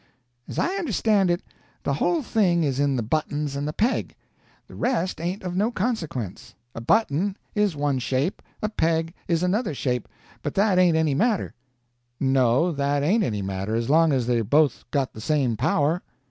"As I understand it, the whole thing is in the buttons and the peg—the rest ain't of no consequence. A button is one shape, a peg is another shape, but that ain't any matter?" "No, that ain't any matter, as long as they've both got the same power."